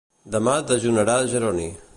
Demà dejunarà Jeroni.